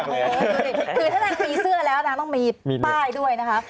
คือถ้านางตีเสื้อแล้วนะต้องมีป้ายด้วยนะคะ